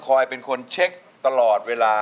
ปล่อยเป็นคนเช็คตลอดเวลา